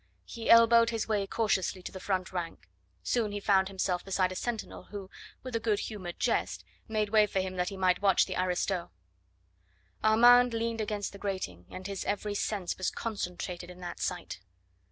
He elbowed his way cautiously to the front rank. Soon he found himself beside a sentinel who, with a good humoured jest, made way for him that he might watch the aristos. Armand leaned against the grating, and his every sense was concentrated in that of sight.